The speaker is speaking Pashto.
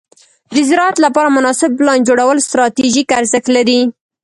د زراعت لپاره مناسب پلان جوړول ستراتیژیک ارزښت لري.